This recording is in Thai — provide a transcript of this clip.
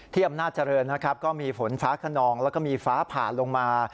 อำนาจเจริญนะครับก็มีฝนฟ้าขนองแล้วก็มีฟ้าผ่าลงมา